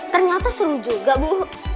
ternyata seru juga bu